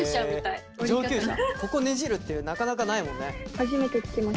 ここねじるってなかなかないもんね。